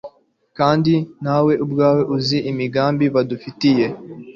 kandi nawe ubwawe, uzi imigambi badufitiye